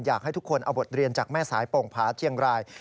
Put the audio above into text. อยากให้ทุกคนเอาบทเรียนจากแม่สายโป่งผาเชียงราย